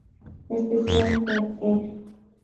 Especial" de E!